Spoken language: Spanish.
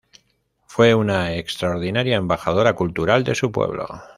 Fue una extraordinaria embajadora cultural de su pueblo.